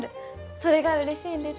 それがうれしいんです。